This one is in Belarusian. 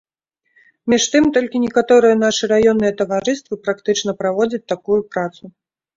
Між тым толькі некаторыя нашы раённыя таварыствы практычна праводзяць такую працу.